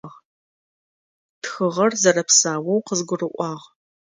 Тхыгъэр зэрэпсаоу къызгурыӏуагъ.